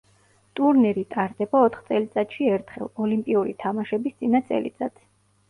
ტურნირი ტარდება ოთხ წელიწადში ერთხელ, ოლიმპიური თამაშების წინა წელიწადს.